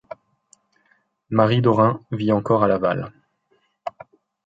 Marie Dorin vit encore à Laval.